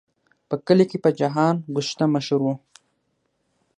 په کلي کې په جهان ګشته مشهور و.